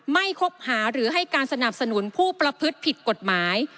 คบหาหรือให้การสนับสนุนผู้ประพฤติผิดกฎหมาย